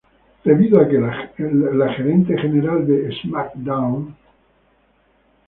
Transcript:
Debido a que la Gerente General de "Smackdown!